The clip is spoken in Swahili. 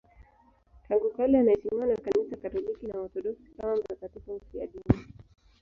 Tangu kale anaheshimiwa na Kanisa Katoliki na Waorthodoksi kama mtakatifu mfiadini.